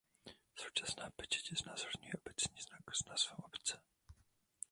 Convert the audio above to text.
Současná pečeť znázorňuje obecní znak s názvem obce.